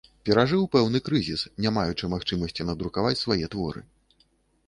Перажыў пэўны крызіс, не маючы магчымасці надрукаваць свае творы.